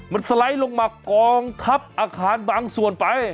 มันสไลด์ลงมากองทับอาคารบางส่วนไป